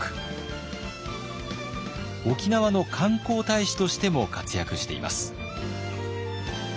沖縄の観光大使としても活躍しています。